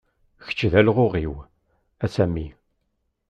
Kečč d alɣuɣ-iw, a Sami.